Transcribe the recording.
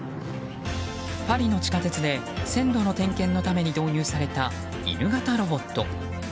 パリの地下鉄で線路の点検のために導入された犬型ロボット。